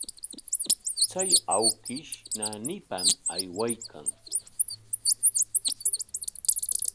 Chay awkish naanipam aywaykan.